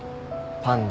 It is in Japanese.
パンダ。